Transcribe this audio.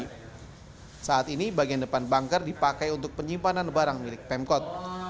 saat ini bagian depan banker dipakai untuk penyimpanan barang milik pemkot